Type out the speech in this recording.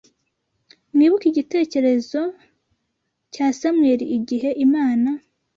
Mwibuke igitekerezo cya Samweli igihe Imana